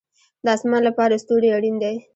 د اسمان لپاره ستوري اړین دي